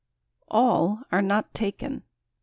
A LL are not taken !